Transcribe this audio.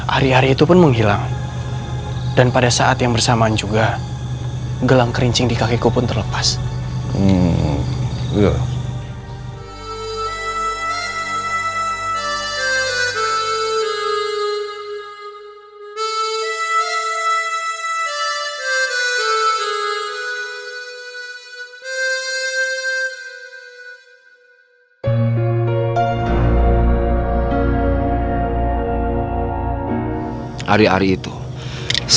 ari ari itu pun menghilang dan pada saat yang bersamaan juga gelang kerincing di kakiku pun terlepas